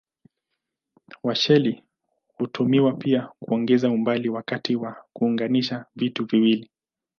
Washeli hutumiwa pia kuongeza umbali wakati wa kuunganisha vitu viwili.